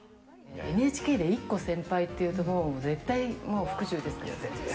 ＮＨＫで１個先輩っていうともう、絶対服従ですから。